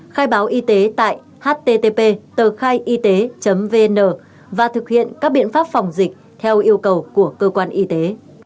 khai báo y tế tại http tờkhaiyt vn và thực hiện các biện pháp phòng dịch theo yêu cầu của cơ quan y tế